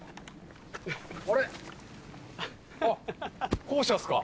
あっ校舎っすか？